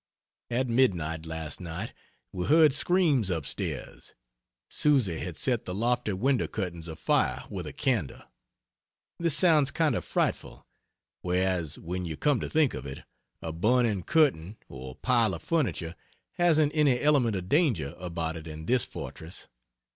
At mid night last night we heard screams up stairs Susy had set the lofty window curtains afire with a candle. This sounds kind of frightful, whereas when you come to think of it, a burning curtain or pile of furniture hasn't any element of danger about it in this fortress.